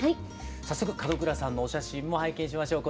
早速門倉さんのお写真も拝見しましょう。